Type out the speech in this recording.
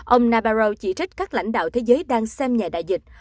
ông nabarow chỉ trích các lãnh đạo thế giới đang xem nhà đại dịch